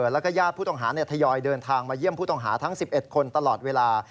แล้วก็ญาติผู้ต้องหาทยอยเดินทางมาเยี่ยมผู้ต้องหาทั้ง๑๑คนตลอดเวลา